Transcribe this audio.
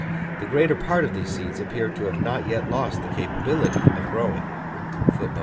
The greater part of these seeds appear to have not yet lost the capability of growing."